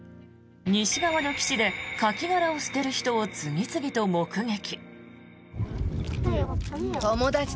西側の岸でカキ殻を捨てる人を次々と目撃。